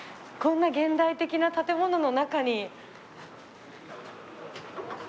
こんな現代的な建物の中に。